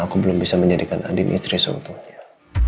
aku belum bisa menjadikan andin istri seutuhnya